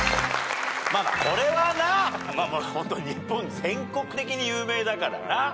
これはなホント日本全国的に有名だからな。